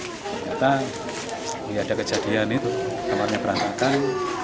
ternyata ada kejadian itu kamarnya berantakan